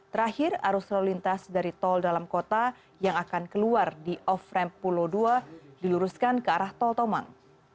terakhir arus lalu lintas dari tol dalam kota yang akan keluar di off ramp pulau dua diluruskan ke arah tol tomang